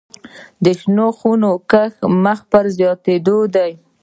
د شنو خونو کښت مخ په زیاتیدو دی